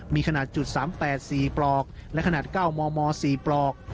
มีขนาด๓๘๔ปลอกและขนาด๙มม๔ปลอก